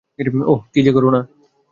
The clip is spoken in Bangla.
ওহ, কী যে করো না।